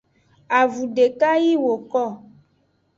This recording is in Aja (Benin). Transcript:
Avun deka yi woko.